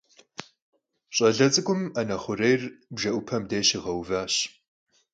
Ş'ale ts'ık'um 'ene xhurêyr bjje'upem dêjj şiğeuvaş.